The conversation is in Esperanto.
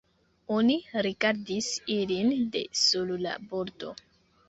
Oni rigardis ilin de sur la bordo.